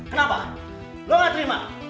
kenapa lo nggak terima